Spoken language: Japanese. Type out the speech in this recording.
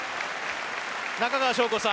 中川翔子さん